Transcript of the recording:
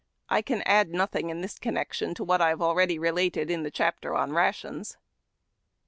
I can add nothing in this connection to what I have already related in the chapter on Rations.